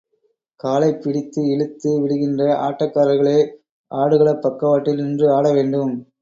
காலைப் பிடித்து இழுத்து விடுகின்ற ஆட்டக்காரர்களே, ஆடுகளப் பக்கவாட்டில் நின்று ஆட வேண்டும்.